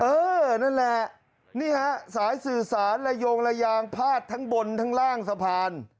เออนั่นแหละนี่ฮะสายสื่อสารระโยงระยางพาดทั้งบนทั้งล่างสะพาน